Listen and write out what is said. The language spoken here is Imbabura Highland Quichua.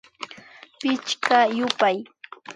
Pichka yupay